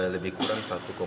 lebih kurang satu sembilan gram